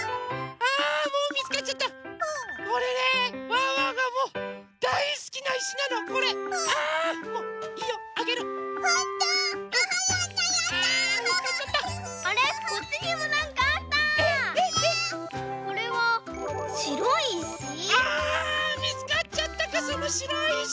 あみつかっちゃったかそのしろいいし。